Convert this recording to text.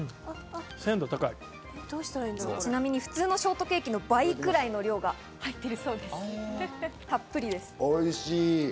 ちなみに普通のショートケーキの倍くらい入っているそうです。